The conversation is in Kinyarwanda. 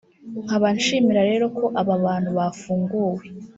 nkaba nshimira rero ko aba bantu bafunguwe